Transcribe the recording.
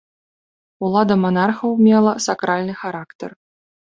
Улада манархаў мела сакральны характар.